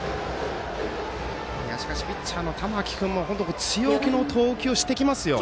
しかしピッチャーの玉木君も強気の投球をしてきますよ。